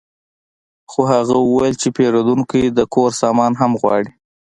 خو هغه وویل چې پیرودونکی د کور سامان هم غواړي